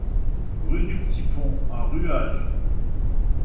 Rue du P'Tit Pont à Ruages